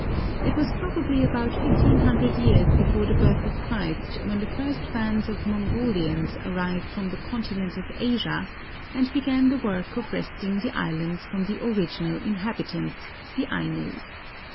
It was probably about fifteen hundred years before the birth of Christ when the first bands of Mongolians arrived from the continent of Asia and began the work of wresting the islands from the original inhabitants, the Ainos.